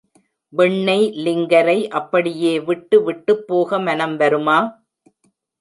வெண்ணெய் லிங்கரை அப்படியே விட்டு விட்டுப்போக மனம் வருமா?